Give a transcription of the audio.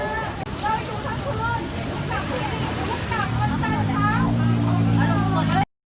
เราอยู่ทั้งทุนทุกจักรทุกจักรตอนต่างครอง